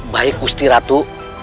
baik gusti ratu